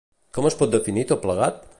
Com es pot definir tot plegat?